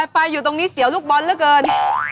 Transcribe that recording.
ไปอยู่ตรงนี้เสียวลูกบอลเหลือเกิน